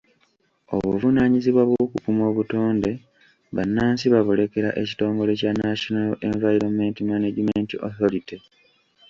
Obuvunaanyizibwa bw'okukuuma obutonde bannansi babulekera ekitongole kya National Environmental Management Authority.